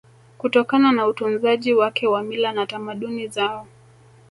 kutokana na utunzaji wake wa mila na tamaduni zao